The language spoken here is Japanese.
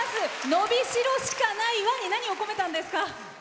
「のびしろしかないは」に何を込めたんですか？